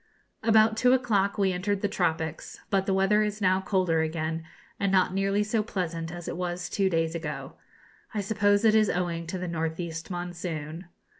About two o'clock we entered the tropics; but the weather is now colder again, and not nearly so pleasant as it was two days ago. I suppose it is owing to the north east monsoon.